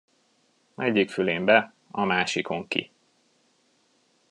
Egyik fülén be, a másikon ki.